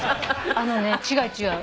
あのね違う違う。